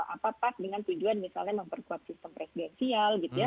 apatak dengan tujuan misalnya memperkuat sistem presidensial gitu ya